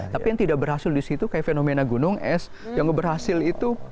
tapi yang tidak berhasil di situ kayak fenomena gunung es yang berhasil itu